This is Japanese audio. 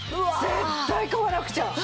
絶対買わなくちゃ！